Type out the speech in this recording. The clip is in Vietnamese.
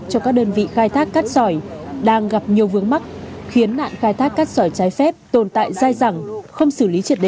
cho các đơn vị khai thác cát sỏi đang gặp nhiều vướng mắt khiến nạn khai thác cát sỏi trái phép tồn tại dài dẳng không xử lý triệt đề